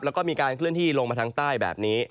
แล้วก็มีการเคลื่อนที่ลงมาทางใต้แบบนี้